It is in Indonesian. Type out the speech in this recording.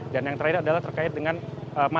dan yang terakhir adalah terkait dengan masalah kesehatan